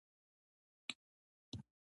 تاریخ د سترگو د اوریدو وړ دی.